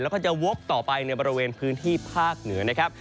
แล้วก็จะวกต่อไปในบริเวณพื้นที่ภาคเหนือนะครับ